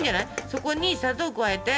そこに砂糖を加えて。